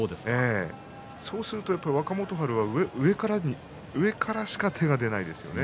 そうすると若元春は上からしか手が出ません。